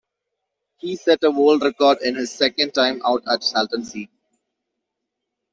He set a world record in his second time out at Salton Sea.